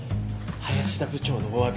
林田部長のおわび。